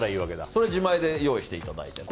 それは自前で用意していただいても。